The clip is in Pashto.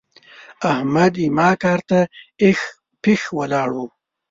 احمد زما کار ته اېښ پېښ ولاړ وو.